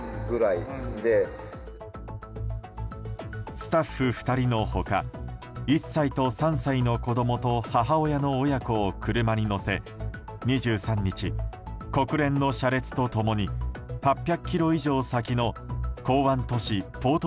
スタッフ２人の他１歳と３歳の子供と母親の親子を車に乗せ２３日、国連の車列と共に８００ｋｍ以上先の湾岸都市ポート